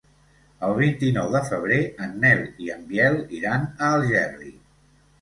El vint-i-nou de febrer en Nel i en Biel iran a Algerri.